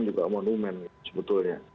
juga monumen sebetulnya